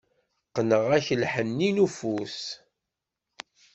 Qqneɣ-ak lḥenni n ufus.